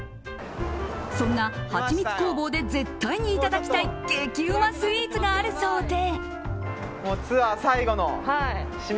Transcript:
そんなはちみつ工房で絶対にいただきたい激うまスイーツがあるそうで。